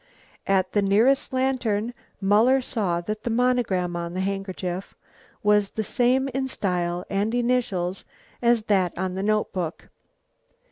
At the nearest lantern Muller saw that the monogram on the handkerchief was the same in style and initials as that on the notebook.